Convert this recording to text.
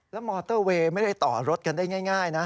แล้วมอเตอร์เวย์ไม่ได้ต่อรถกันได้ง่ายนะ